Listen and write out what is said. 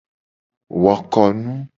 Wo ko nu.